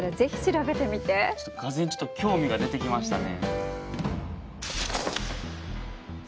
がぜんちょっと興味が出てきましたね。